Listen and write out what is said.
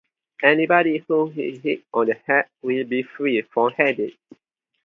Anybody whom he hits on the head will be free from headache.